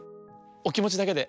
おきもちだけで。